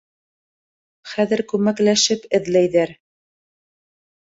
Хәҙер күмәкләшеп эҙләйҙәр.